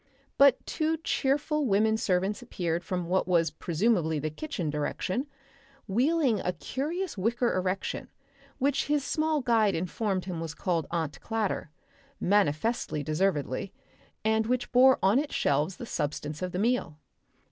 But two cheerful women servants appeared from what was presumably the kitchen direction, wheeling a curious wicker erection, which his small guide informed him was called Aunt Clatter manifestly deservedly and which bore on its shelves the substance of the meal.